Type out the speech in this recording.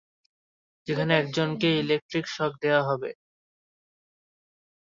যেখানে একজনকে electric shock দেওয়া হবে।